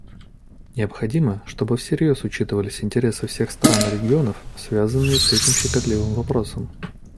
Необходимо, чтобы всерьез учитывались интересы всех стран и регионов, связанные с этим щекотливым вопросом.